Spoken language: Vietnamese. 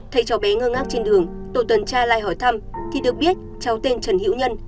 thấy cháu bé ngơ ngác trên đường tổ tuần tra lại hỏi thăm thì được biết cháu tên trần hiễu nhân